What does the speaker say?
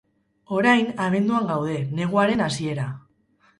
Orain, abenduan gaude, neguaren hasiera.